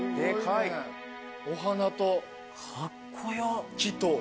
お花と木と。